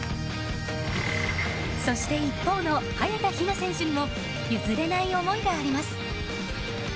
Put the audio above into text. そして、一方の早田ひな選手にも譲れない思いがあります。